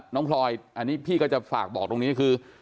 พลอยอันนี้พี่ก็จะฝากบอกตรงนี้คือ